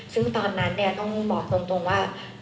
ซึ่งตอนนั้นเนี่ยต้องบอกตรงว่า